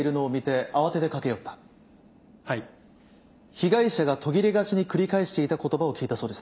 被害者が途切れがちに繰り返していた言葉を聞いたそうですね。